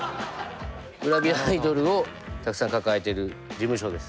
グラビアアイドルをたくさん抱えてる事務所です。